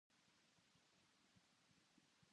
阻止円のように皆私を避けている